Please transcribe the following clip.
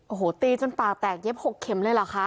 โอ้โหตีจนปากแตกเย็บ๖เข็มเลยเหรอคะ